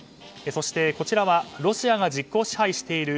そして、こちらはロシアが実効支配している